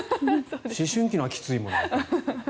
思春期のはきついもの。